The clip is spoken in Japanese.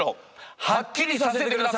はっきりさせてください！